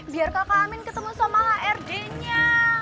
biar kak amin ketemu sama hrd nya